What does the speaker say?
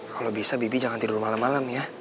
kalau bisa bibi jangan tidur malam malam ya